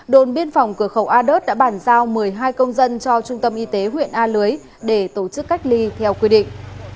đồn biên phòng cửa khẩu a đớt đã bàn giao một mươi hai công dân cho trung tâm y tế huyện a lưới để tổ chức cách ly theo quy định